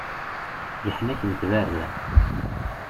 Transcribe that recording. Leḥnak n tbarda.